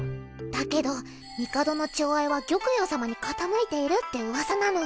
だけど帝の寵愛は玉葉さまに傾いているって噂なの。